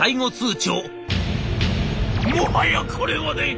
「もはやこれまで！